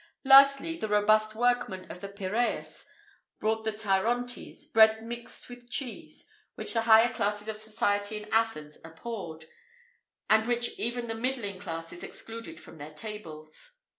[IV 34] Lastly, the robust workman of the Pyræus bought the tyrontes, bread mixed with cheese,[IV 35] which the higher classes of society in Athens abhorred, and which even the middling classes excluded from their tables.